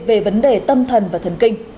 về vấn đề tâm thần và thần kinh